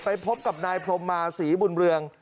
พบกับนายพรมมาศรีบุญเรือง